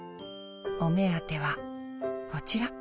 お目当てはこちら。